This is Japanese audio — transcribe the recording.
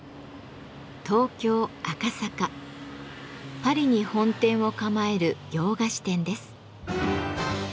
パリに本店を構える洋菓子店です。